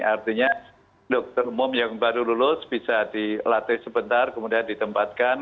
artinya dokter umum yang baru lulus bisa dilatih sebentar kemudian ditempatkan